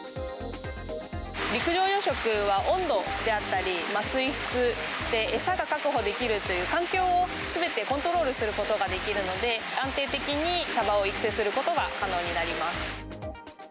陸上養殖は、温度であったり、水質、餌が確保できるという環境をすべてコントロールすることができるので、安定的にサバを育成することが可能になります。